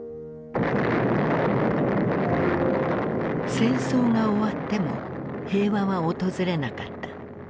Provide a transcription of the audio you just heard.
戦争が終わっても平和は訪れなかった。